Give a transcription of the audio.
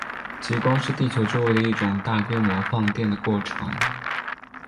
极光是地球周围的一种大规模放电的过程。